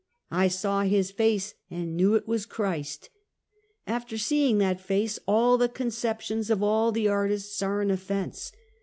I saw his face, and knew it was Christ. After see ing that face, all the conceptions of all the artists are an ofl^ense.